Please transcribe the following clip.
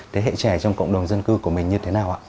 thế hệ trẻ trong cộng đồng dân cư của mình như thế nào ạ